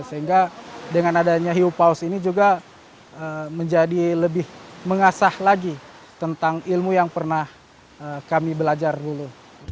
sehingga dengan adanya hiu paus ini juga menjadi lebih mengasah lagi tentang ilmu yang pernah kami belajar dulu